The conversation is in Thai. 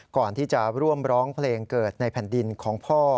ก่อนที่จะร่วมร้องเพลงเกิดในแผ่นดินของพ่อ